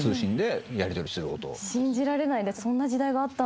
信じられないです。